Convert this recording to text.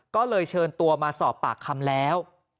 ก็เลยเชิญตัวมาสอบปากคำแล้ว